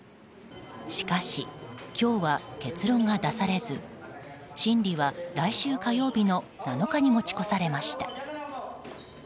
しかし、今日は結論が出されず審理は来週火曜日の７日に持ち越されました。